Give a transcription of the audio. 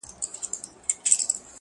له احتیاجه چي سي خلاص بادار د قام وي--!